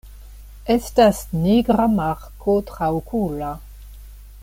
Estas nigra marko traokula.